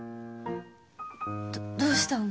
どどうしたの？